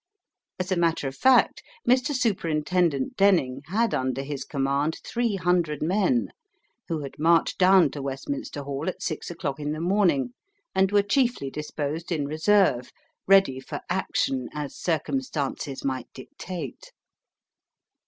As a matter of fact, Mr. Superintendent Denning had under his command three hundred men, who had marched down to Westminster Hall at six o'clock in the morning, and were chiefly disposed in reserve, ready for action as circumstances might dictate.